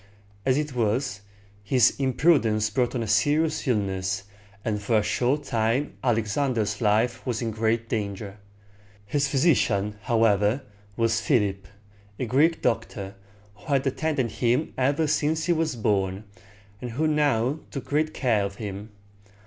As it was, his imprudence brought on a serious illness, and for a short time Alexander's life was in great danger. His physician, however, was Philip, a Greek doctor, who had attended him ever since he was born, and who now took great care of him.